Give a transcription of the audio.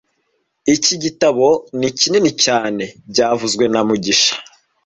Iki gitabo ni kinini cyane byavuzwe na mugisha